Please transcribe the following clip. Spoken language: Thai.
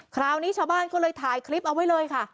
คราวนี้ชาวบ้านก็เลยถ่ายคลิปเอาไว้เลยค่ะ